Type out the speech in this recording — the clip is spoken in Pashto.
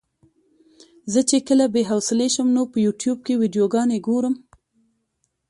زه چې کله بې حوصلې شم نو په يوټيوب کې ويډيوګانې ګورم.